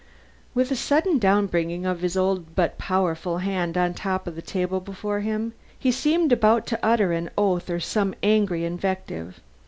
With a sudden down bringing of his old but powerful hand on the top of the table before him, he seemed about to utter an oath or some angry invective.